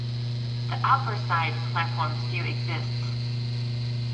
The upper side platform still exists.